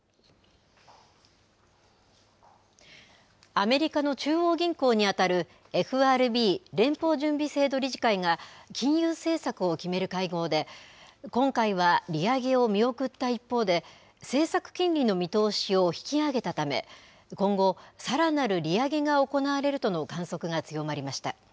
アメリカの中央銀行に当たるＦＲＢ、連邦準備制度理事会が金融政策を決める会合で今回は利上げを見送った一方で政策金利の見通しを引き上げたため今後さらなる利上げが行われるとの観測が強まりました。